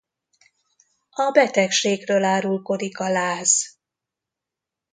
A betegségről árulkodik a láz.